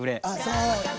そう！